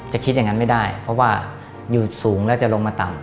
คิดอย่างนั้นไม่ได้เพราะว่าอยู่สูงแล้วจะลงมาต่ำ